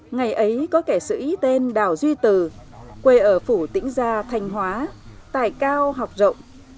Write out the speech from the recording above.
ngày ấy có kẻ sử ý tên đào duy từ quê ở phủ tỉnh gia thanh hóa tài cao học rộng